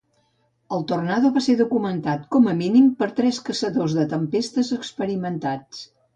El tornado va ser documentat com a mínim per tres caçadors de tempestes experimentats.